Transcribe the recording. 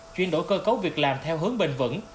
chuyển đổi cơ cấu việc làm theo hướng bền vững